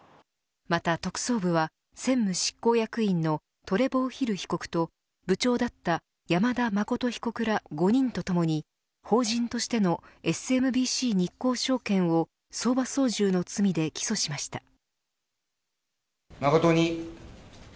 また特捜部は専務執行役員のトレボー・ヒル被告と部長だった山田誠被告ら５人とともに法人としてのＳＭＢＣ日興証券を相場操縦の罪で起訴しました。